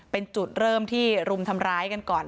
เป็นจุดเริ่มที่รุมทำร้ายกันก่อน